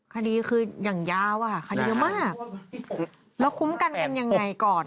คดีคืออย่างยาวอะค่ะคดีเยอะมากแล้วคุ้มกันกันยังไงก่อน